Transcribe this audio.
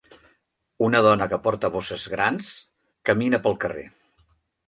Una dona que porta bosses grans camina pel carrer.